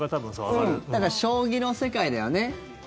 だから将棋の世界だよね。